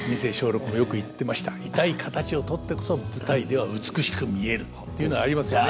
「痛い形をとってこそ舞台では美しく見える」っていうのありますよね。